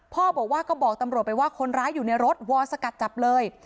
พ่อบอกว่าก็บอกตำรวจไปว่าคนร้ายอยู่ในรถวอนสกัดจับเลย